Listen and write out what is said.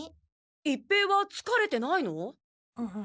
一平はつかれてないの？